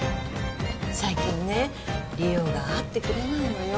最近ね梨央が会ってくれないのよ